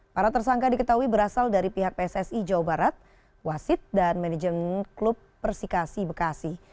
para tersangka diketahui berasal dari pihak pssi jawa barat wasit dan manajemen klub persikasi bekasi